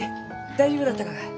大丈夫だったがかえ？